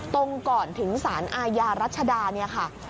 ตรงก่อนถึงสารอาญารัชดา